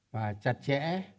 và chặt chẽ